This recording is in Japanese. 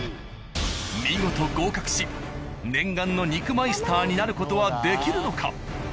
見事合格し念願の肉マイスターになる事はできるのか。